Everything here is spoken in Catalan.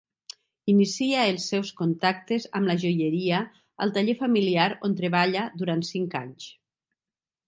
Inicia els seus contactes amb la joieria al taller familiar on treballa durant cinc anys.